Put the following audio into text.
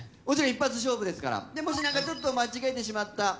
もちろん一発勝負ですからもし何かちょっと間違えてしまった